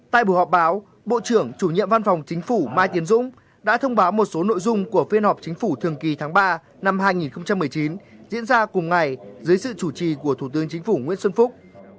tại buổi họp báo bộ trưởng chủ nhiệm văn phòng chính phủ mai tiến dũng đã thông báo một số nội dung của phiên họp chính phủ thường kỳ tháng ba năm hai nghìn một mươi chín diễn ra cùng ngày dưới sự chủ trì của thủ tướng chính phủ nguyễn xuân phúc